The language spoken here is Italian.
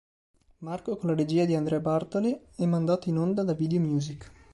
Marco con la regia di Andrea Bartoli, e mandato in onda da Videomusic.